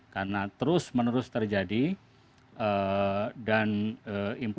karena terus menerus terjadi dan impun